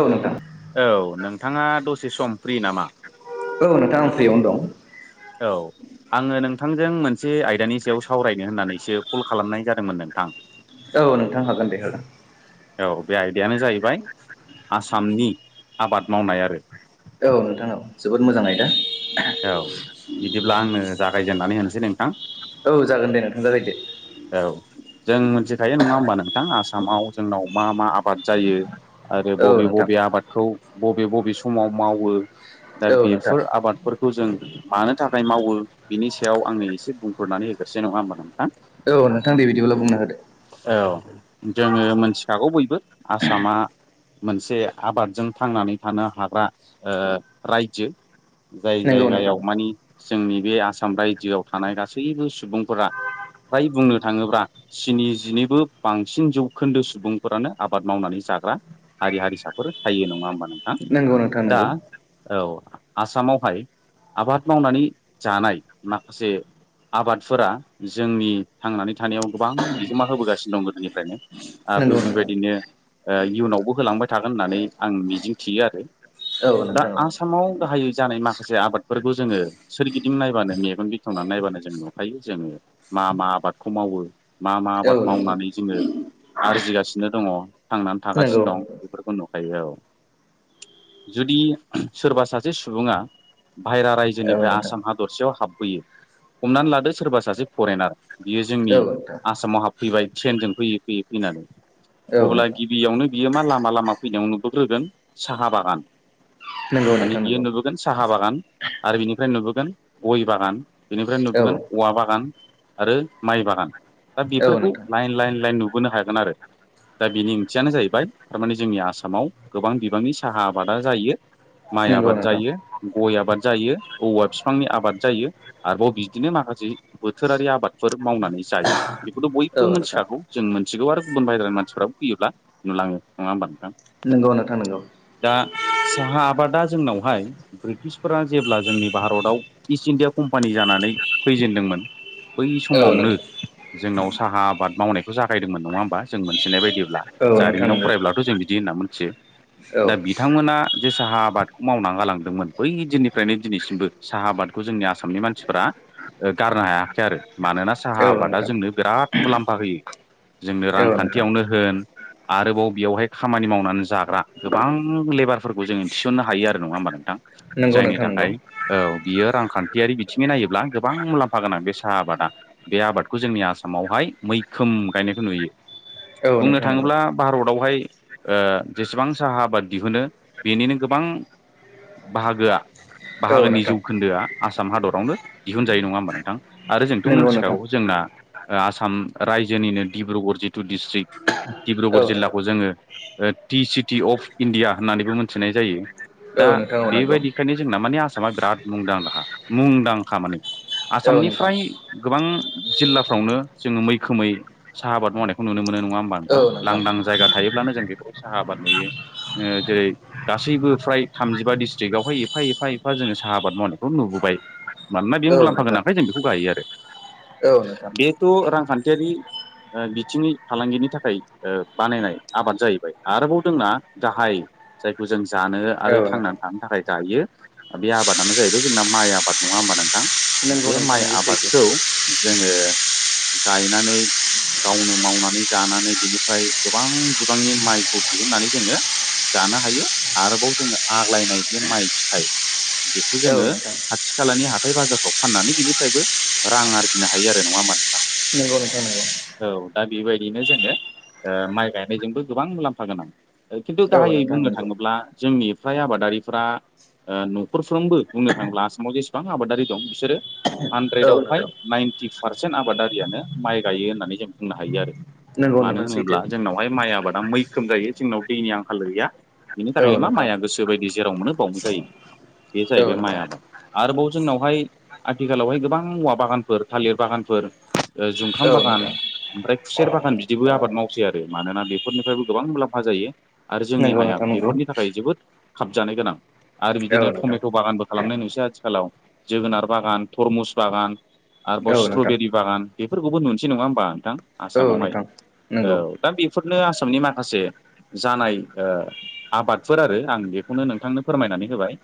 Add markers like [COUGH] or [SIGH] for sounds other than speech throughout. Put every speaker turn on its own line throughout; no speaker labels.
औ नोंथां।
औ नोंथांङा दसे सम फ्रि नामा?
औ नोंथां आं फ्रियावनो दं।
औ। आंङो नोंथांजों मोनसे आयदानि सायाव सावरायनो होननानैसो कल खालामनाय जादोंमोन नोंथां।
औ नोंथां हागोन दे हागोन।
औ बे आयदायानो जाहैबाय आसामनि आबाद मावनाय आरो।
औ नोंथां औ जोबोद मोजां आयदा।
औ बिदिब्ला आंनो जागायजेननानै होनोसै नोंथां।
औ जागोन दे नोंथां जागायदो।
औ जों मिथिखायो नङा होमबा नोंथां आसामाव जोंनाव मा मा आबाद जायो। आरो
औ
बबे
नोंथां
बबे आबादखौ बबे बबे समाव मावो दा
औ नोंथां
बेफोर आबादफोर खौ जों मानो थाखाय मावो बिनि सायाव आंनो एसे बुंफोरनानै होग्रोसै नङा होमबा नोंथां।
औ नोंथां दे बिदिब्ला बुंना होदो।
औ जोङो मोनथिखागौ बयबो आसामा मोनसे आबादजों थांनानै थानो हाग्रा ओ रायजो। जाय
नंगौ नोंथां
जायगायाव माने जोंनि बे आसाम रायजोआव थानाय गासैबो सुबुंफोरा फ्राय बुंनो थाङोब्ला स्निजिनैबो बांसिन जौखोन्दो सुबुंफोरानो आबाद मावनानै जाग्रा। हारि हारिसाफोर थायो नङा होमबा नोंथां
नंगौ नोंथां
दा
नंगौ
औ आसामावहाय आबाद मावनानै जानाय माखासे आबादफोरा जोंनि थांनानै थानायाव गोबां बिहोमा होबोगासिनो दं गोदोनिफ्रायनो
नंगौ
आरो
नोंथां
बेबायदिनो ओ इयुनावबो होलांबाय थागोन होननानै आं मिजिं थियो आरो
औ
दा
नोंथां
आस थामाव गाहायै जानाय माखासे आबादफोरखौ जोङो सोरगिदिं नायबानो मेगन बेखेवनानै नायबानो जों नुखायो जोङो मा मा आबादखौ मावो मा मा
औ
आबाद
औ नोंथां
मावनानै जोङो आरजिगासिनो दङ थांनानै
नंगौ
थागासिनो दं बेफोरखौ नुखायो औ जुदि सोरबा सासे सुबुङा बाहेरा
औ नोंथां औ
रायजोनिफ्राय
नोंथां
आसाम हादरसेयाव हाबफैयो हमनानै लादो सोरबा सासे फरेनार बियो जोंनि आसामाव हाबफैबाय ट्रेनजों फैयै फैयै फैनानै
औ
अब्ला
नोंथां
बियो बियावनो बियो मा लामा लामा फैनायाव नुबोग्रोगोन साहा बागान
नंगौ
माने
नोंथां
बियो
नंगौ
नुबो साहा बागान आरो बिनिफ्राय नुबोगोन गय बागान बेनिफ्राय
औ
नुबोगोन औवा बागान आरो माइ बागान दा
औ
बेफोरखौ
नोंथां
लाइन लाइन लाइन नुबोनो हागोन आरो दा बिनि ओंथियानो जाहैबाय थारमाने जोंनि आसामाव गोबां बिबांनि साहा आबादा जायो माइ
नंगौ
आबाद
नोंथां
जायो गय आबाद जायो औवा फिफांनि आबाद जायो आरोबाव बिदिनो माखासे बोथोरारि आबाद फोर मावनानै जायो बेखौथ'
औ
बयबो
नोंथां
मिथिखागौ जों मोनथिगौ आरो गुबुन बाहेरानि मानसिफ्राबो फैयोब्ला नुलाङो नङा होमबा नोंथां
नोंगौ नोंथां नोंगौ
दा साहा आबादा जोंनावहाय ब्रिटिशफोरा जेब्ला जोंनि भारताव इस्ट इण्डिया कम्पानि जानानै फैजेनदोंमोन बै
औ
समावनो
नोंथां
जोंनाव साहा आबाद मावनायखौ जागायदोंमोन नङा होमबा जों मोनथिनाय बायदिब्ला
औ नोंथां
जारिमिनाव
नंगौ
फरायब्लाथ' जों बिदि होनना मिथियो
औ
दा बिथांमोना जे साहा आबादखौ मावना गालांदोंमोन बै दिननिफ्रायनो दिनैसिमबो साहा आबादखौ जोंनि आसामनि मानसिफोरा ओ गारनो हायाखसै आरो मानोना साहा
औ
आबादा
नोंथां
जोंनो बिराद मुलाम्फा होयो जोंनो
औ नोंथां
रांखान्थियावनो होन आरोबाव बेयावहाय खामानि मावनानै जाग्रा गोबां लेबारफोरखौ जोङो थिसननो हायो आरो नङा होमबा नोंथां
नंगौ
जायनि
नोंथां नंगौ
थाखाय औ बियो रांखान्थियारि बिथिङै नायोब्ला गोबां मुलाम्फा गोनां बे साहा आबाद आ बे आबादखौ जोंनि आसामावहाय मैखोम गायनायखौ नुयो
औ
बुंनो
नोंथां नंगौ
थाङोब्ला भारतावहाय ओ जेसेबां साहा आबाद दिहुनो बेनिनो गोबां बाहागोआ
औ
बाहागोनि
नोंथां
जौखोन्दोआ आसाम हादरावनो दिहुनजाय नङा होमा नोंथां आरो जों
नंगौ नोंथां
मिथिखागौ जोंना आसाम रायजोनिनो डिब्रुगर जिथु डिस्ट्रिक्ट
औ
डिब्रुगर
नोंथां
जिल्लाखौ जोङो ओ टि सिटि अफ इण्डिया होननानैबो मोनथिनाय जायो
औ
दा
नोंथां औ नंगौ
बेबायदिखायनो जोंना माने आसामा बिराद मुंदांखा मुंदांखा माने
औ नोंथां
आसामनिफ्राय गोबां जिल्लाफ्रावनो जोङो मैखोमै साहा आबाद मावनायखौ नुनो मोनो नङा
औ
होमबा ोंथां
नोंथां
लांदां जायगा थायोब्लानो जों बेखौ साहा आबाद नुयो जेरै गासैबो फ्राय थामजिबा डिस्ट्रिकटआवहाय एफा एफा एफा जोङो साहा आबाद मावनायखौ नुबोबाय मानोना बे मुलाम्फा गोनखाय जों बेखौ गायो आरो
औनोथां
थ रांखान्थियारि बिथिङनि फालांगिनि थाखाय बानायनाय आबाद जाहैबाय आरोबाव दोंना गाहाय जायखौ जों जानो
औ
आरो
नोंथां
थांनानै थानो थाखाय दायो बे आबादानो जाहैबाय जोंना माइ आबाद नङा होमबा नोंथां
नंगौ
बे
नोंथां
माइ
नंगौ
आबाद
सैथो
खौ जोङो गायनानै गावनो मावनानै जानानै बिनिफ्राय गोबां बिबांनि माइखौ दिहुननानै जोङो जानो हायो आरोबाव जोङो आग्लायनाय ज माइ फिथाइ बेखौ
औ
जोङो
नोंथां
खाथि खालानि हाथाय बाजारफ्राव फाननानै बिनिफ्रायबो रां आरजिनो हायो आरो नङा होमबा नोंथां
नंगौ नग नगौ
औ दा बेबायदिनो जोङो माइ गायनायजोंबो गोबां मुलाम्फा गोनां खिन्थु
औ
गाहायै
नोंथां
बुंनो
नंगौ
थाङोब्ला जोंनि फ्राय आबादारिफ न'खरफ्रावबो बुंनो थाङोब्ला आसामाव जेसेबां आबादारि दं बिसोरो
औ
हानद्रेदाव फाइभ
नोंथां
नाइनटि पारसेन्ट आबादारियानो माइ गायो होननानै जों बुंनो हायो आरो।
नंगौ
मानो
नोंथां सैथो
होनोब्ला जोंनावहाय माइ आबादा मैखोम जायो जोंनाव दैनि आंखाल गैया। बेनि
औ
थाखायनो मा
नोंथां
माइया गोसोबायदि जेराव मोनो बावनो जायो। बे
औ
जाहैबाय माइ
नोंथां
आबाद आरोबाव जोंनावहाय आथिखालावहाय गोबां बागानफोर थालिर बागानफोर जुंखाम
औ
बागान
नोंथां
ओमफ्राय खुसेर बागान बिदिबो आबाद मावसै आरो मानोना बेफोरनिफ्रायबो गोबां मुलाम्फा जायो। आरो जोंनि
नंगौ
हाया
नोंथां नंगौ
बेफोरनि थाखाय जोबोद खाबजानो गोनां आरो
औ
बिदिनो
नोंथां
टमेट' बागानबो खालामनाय नोंसै आथिखालाव जोगोनार बागान थरमुस बागान आरोबाव
औ नोंथां
स्ट्रबेरि बागान बेफोरखौबो नुनोसै नङा होमबा नोंथां
औ
आसामावहाय
नोंथां नंगौ
औ दा बेफोरनो आसामनि माखासे जानाय आबादफोर आरो आं बेखौनो नोंथांनो फोरमायनानै होबाय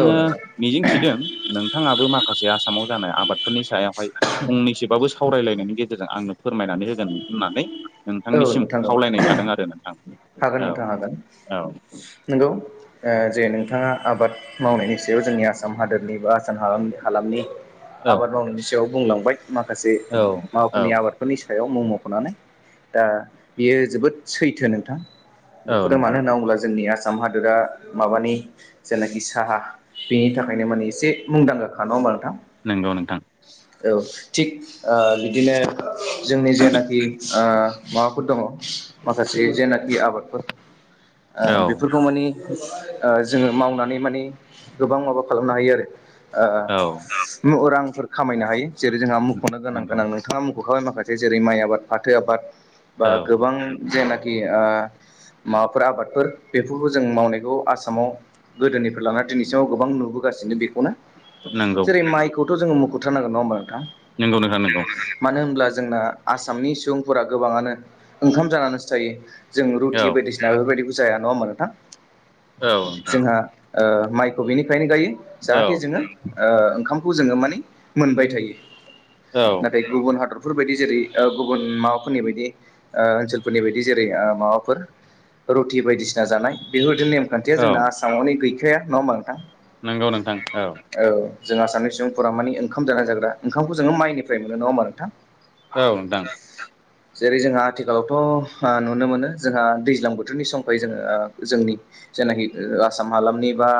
औ नोंथां
मिजिंथिदों नोंथाङाबो माखासे आसामाव जानाय आबाद फोरनि सायावहाय फंनैसोबाबो सावरायलायनायनि गेजेरजों आंनो फोरमायनानै होगोन होननानै
औ
नोंथांनिसिम
नोंथां औ
खावलायनाय थादों आरो नोंथां।
हागोन नोंथां
औ
हागोन
औ
नंगौ जे नोंथाङा आबाद मावनायनि सायाव जोंनि आसाम हादोरनि बा आसाम हालाम हालामनि आबाद मावनायनि सायाव बुंलांबाय माखासे
औ औ
माबाफोरनि आबाद फोरनि सायाव मम'खौनानै दा बियो जोबोद सैथो नोंथां।
औ
बेफोरो
नोंथां
मानो होनना बुङोब्ला जोंनि आसाम हादोरा माबानि जेनाखि साहा बेनि थाखायनो माने एसे मुंदांखााख नङा होमबा नोंथां।
नोंगौ नोंथां।
औ थिग ओ बिदिनो जोंनि जेनाखि माबाफोर दङ माखासे जेनाखि आबादफोर
औ
बेफोरखौ माने जोङो मावनानै माने गोबां माबा खालामनो हायो आरो
औ
रांफोर खामायनो हायो जेरै जोंहा मुख'नो गोनां
नंगौ
गोनांनो नाङा मख'खाबाय माखासे जेरै माइ आबाद फाथो आबाद बा
औ
गोबां जेनाखि आ माबाफोर आबादफोर बेफोरखौ जों मावनायखौ आसामाव गोदोनिफ्राय लानानै दिनैसिमाव गोबां नुबोगासिनो बेखौनो
नंगौ
जेरै माइखौथ' जोङो मुखुथारनांगोन नङा होमबा नोंथां।
नंगौ नोंथां नंगौ
मानो होनब्ला जोंना आसामनि सुबुंफोरा गोबाङानो ओंखाम जानानैसो थायो। जों
औ
रुटि बायदिसिना बेफोरबायदिबो जाया नङा होमा नोंथां।
औ नोंथां
जोंहा माइखौ बिनिफ्रायनो गायो
औ
जाहाथे जोङो ओ ओंखामखौ जोङो माने मोनबाय थायो।
औ
नाथाय गुबुन हादरफोर बायदि जेरै ओ गुबुन माबाफोरनि बायदि ओ ओनसोलफोरनि बायदि जेरै ओ माबाफोर रुटि बायदिसिना जानाय बेफोरबादि नेम खान्थिया
औ
जोंना आसा मावनो गैखाया नङा होमबा नोंथां।
नंगौ नोंथां औ।
औ जोंहा आसामनि सुबुंफोरा मानि ओंखाम जानाय जाग्रा ओंखामखौ जोङो माइनिफ्राय मोनो नङा होमबा नोंथां।
औ नोंथां।
जेरै जोंहा आथिखालावथ' आ नुनो मोनो जोंहा दैज्लां बोथोरनि समखाय जोङो ओ जोंनि जेनाखि आसाम हालामनि बा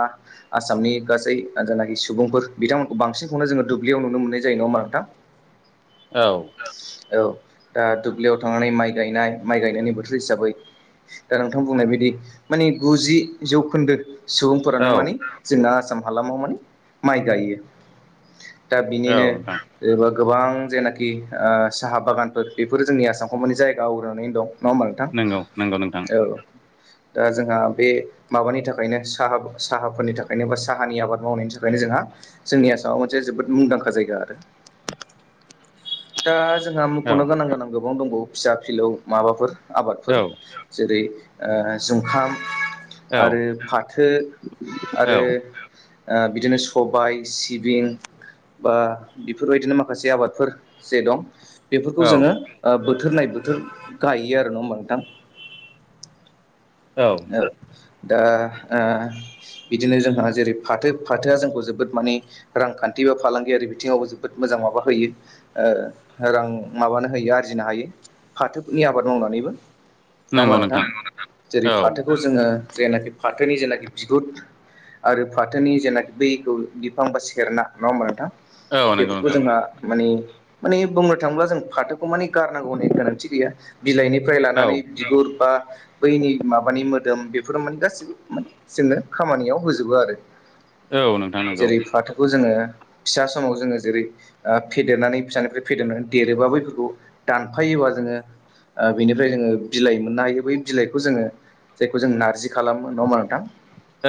आसामनि गासै जेनाखि सुबुंफोर बिथांमोनखौ बांसिनखौनो जोङो दुब्लियाव नुनो मोननाय जायो नङा होनबा नोंथां।
औ
औ दा दुब्लियाव थांनानै माइ गायनाय माइ गायनायनि बोथोर हिसाबै दा नोंथां बुंनाय बायदि माने गुजि जौखोन्दो सुबुंफोरानो
औ
माने जोंना आसाम हालामाव माने माइ गायो दा
औ
बिनिनो
नोंथां
एबा गोबां जेनाखि ओ साहा बागानफोर बेफोर जोंनि आसामखौ माने जायगा आवग्रिनानै दं। नङा होमबा नोंथां।
नंगौ नंगौ नोंथां।
औ दा जोंहा बे माबानि थाखायनो साहा साहाफोरनि थाखायनो बा साहानि आबाद मावनायनि थाखायनो जोंहा जोंनि आसामाव मोनसे जोबोद मुंदांखा जायगा आरो। दा जोंहा
औ
मख'नो गोनां गोनां गोबां दंबावो फिसा-फिलौ माबाफोर आबादफोर।
औ
जेरै- ओ जुंखाम आरो
औ
फाथो आरो
औ
ओ बिदिनो सबाय, सिबिं बा बेफोरबायदिनो माखासे आबादफोर जे दं
औ
बेफोरखौ जोङो ओ बोथोर नायै बोथोर गायो आरो नङा होमबा नोंथां।
औ
दा ओ बिदिनो जोंहा जेरै फाथो फाथोआ जोंखौ जोबोद माने रांखान्थि बा फालांगियारि बिथिङावबो जोबोद मोजां माबा होयो। ओ रां माबानो हायो आरजिनो हायो फाथोनि आबाद मावनानैबो। नङा होमबा नोंथां? जेरै
औ
फाथोखौ जोङो जेनाखि फाथोनि जेनाखि बिगुद आरो फाथोनि जेनाखि दैखौ बिफां बा सेरना। नङा होमबा नोंथां?
औ नंगौ
बेफोरखौ
नोंथां
जोंहा माने माने बुंनो थाङोब्ला जों फाथो माने गारनांगौनि गोनांथि गैया बिलाइनिफ्राय लानानै
औ
बिगुर बा बैनि माबानि मोदोम बेफोर माने गासैबो माने जोंनो खामानियाव होजोबो आरो।
औ नोंथां नंगौ
जेरै फाथोखौ जोङो फिसा समाव जोङो जेरै आ फेदेरनानै फिसानिफ्राय फेदेरनानै देरोबा बैफोरखौ दानफायोबा जोङो आ बिनिफ्राय जोङो बिलाइ मोननो हायो बै बिलाइखौ जोङो जायखौ जों नारजि खालामो। नङा होमबा नोंथां?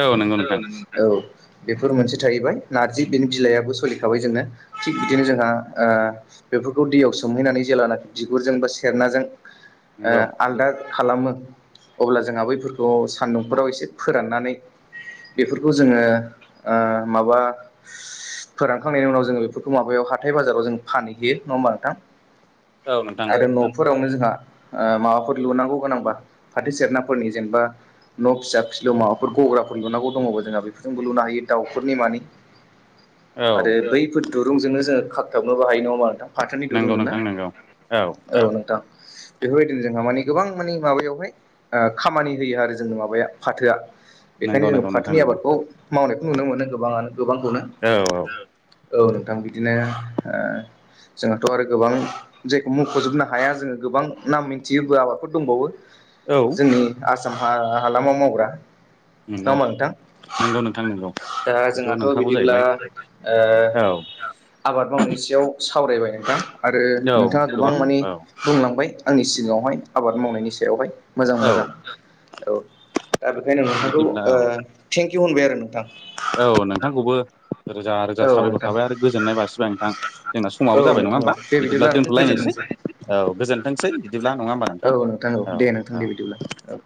औ नंगौ नोंथां
औ बेफोर मोनसे थाहैबाय नारजि बेनि बिलाइयाबो सोलिखाबाय जोंनो। थिग बिदिनो जोंहा ओ बेफोरखौ दैयाव सोमहैनानै जेलानाखि बिगुरजों बा सेरनाजों ओ
नंगौ
आलदा खालामो अब्ला जोंहा बैफोरखौ सान्दुंफोराव एसे फोराननानै बेफोरखौ जोङो ओ माबा फोरानखांनायनि उनाव जोङो बेफोरखौ माबायाव हाथाय-बाजाराव जों फानहैयो। नङा होमबा नोंथां?
औ नोंथां
आरो न'फोरावनो जोंहा माबाफोर लुनांगौ गोनांबा फाथो सेरनाफोरनि जेनेबा न' फिसा फिलौ माबाफोर गग्राफोर लुनांगौ दङोबा जोंहा बेफोरजोंबो लुनो हायो दाउफोरनि मानि।
[INAUDIBLE]
आरो बैफोर दुरुंजोंनो जोङो खाबथाबनोबो हायो। नङा होमबा नोंथां? फाथोनि
नंगौ
दुरुंजों ना?
नोंथां नंगौ
औ नोंथां। बेफोरबायदिनो जोंहा माने गोबां माने माबायावहाय खामानि होयो आरो जोंनि माबाया फाथोआ। बेखायनो
नंगौ
जोङो
नंगौ नोंथां
फाथोनि
नंगौ
आबादखौ मावनायखौ नुनो मोनो गोबाङानो गोबांखौनो।
औ औ
औ नोंथां बिदिनो ओ जोंहथ' आरो गोबां जायखौ मुंख'जोबनो हाया जोङो गोबां नाम मिन्थियोबो आबादफोर दंबावो।
औ
ओ आसाम हा हालामाव मावग्रा। नंङा
नंगौ
होमबा नोंथां?
नंगौ नोंथां नंगौ
दा
बेथ'
जोंहाथ'
नोंखागौ
बिदिब्ला
जाहैबाय
ओ
औ
आबाद मावनायनि सायाव सावरायबाय नोंथां आरो
औ
नोंथाङा गोबां मानि
औ
बुंलांबाय आंनि सिगाङावहाय आबाद मावनायनि सायावहाय
औ
मोजां-मोजां। औ दा बेखायनो नोंथांखौ
बिदिब्ला
ओ
औ
थेंकिउ होनबाय आरो नोंथां।
औ नोंथांखौबो रोजा-रोजा
औ
साबायख'र
नोंथां
थाबाय आरो गोजोननाय बासिबाय नोंथां। जोंना
औ
समाबो जाबाय नङा
नोंथां
होमबा
औ दे
बिदिब्ला
नोंथां
दोनथ'लायनोसै।
गोजोनथोंसै
औ गोजोनथोंसै बिदिब्ला नङा होमबा
औ
नोंथां।
दे
औ
नोंथां
औ
दे बिदिब्ला औ